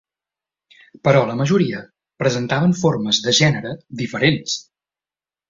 Però la majoria presentaven formes de gènere diferents.